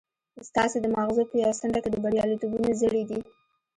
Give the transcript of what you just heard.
ستاسې د ماغزو په يوه څنډه کې د برياليتوبونو زړي دي.